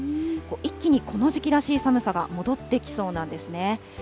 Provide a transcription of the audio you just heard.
一気にこの時期らしい寒さが戻ってきそうなんですね。